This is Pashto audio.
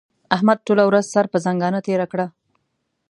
احمد ټوله ورځ سر پر ځنګانه تېره کړه.